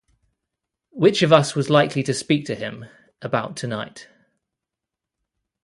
Which of us was likely to speak to him about tonight?